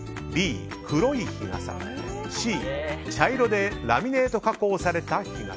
Ｂ、黒い日傘Ｃ、茶色でラミネート加工された日傘。